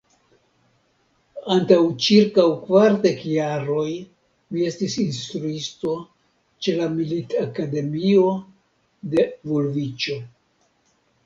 Antaŭ ĉirkaŭ kvardek jaroj mi estis instruisto ĉe la militakademio de Vulviĉo.